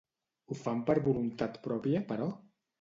Ho fan per voluntat pròpia, però?